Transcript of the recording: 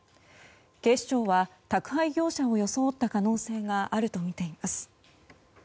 警視庁は、宅配業者を装った可能性があるとみています。